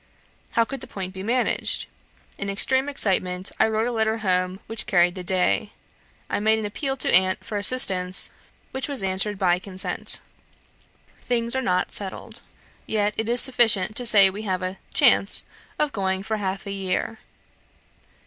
How could the point be managed? In extreme excitement, I wrote a letter home, which carried the day. I made an appeal to aunt for assistance, which was answered by consent. Things are not settled; yet it is sufficient to say we have a chance of going for half a year.